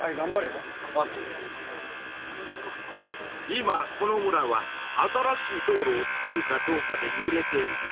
今この村は新しい道路をつくるかどうかでゆれている。